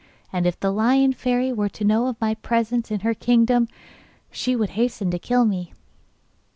And if the Lion Fairy were to know of my presence in her kingdom she would hasten to kill me.